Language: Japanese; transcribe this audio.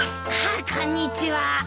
あっこんにちは。